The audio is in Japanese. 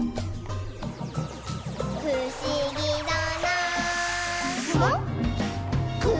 「ふしぎだなぁ」